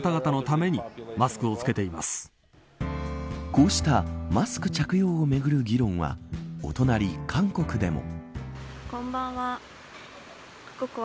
こうしたマスク着用をめぐる議論はお隣、韓国でも。